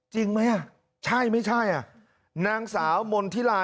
จริงไหมอะใช่ไหมใช่อะนางสาวมณฑิธีรา